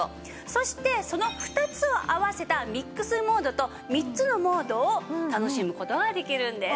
そしてその２つを合わせたミックスモードと３つのモードを楽しむ事ができるんです。